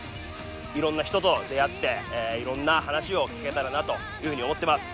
いろんな人と出会っていろんな話を聞けたらなというふうに思ってます。